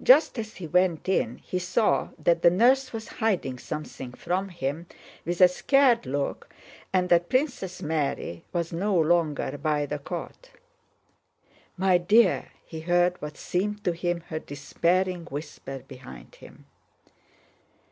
Just as he went in he saw that the nurse was hiding something from him with a scared look and that Princess Mary was no longer by the cot. "My dear," he heard what seemed to him her despairing whisper behind him.